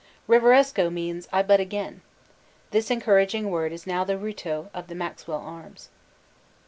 Reviresco! means "I bud again!" This encouraging word is now the reuto of the Maxwell arms.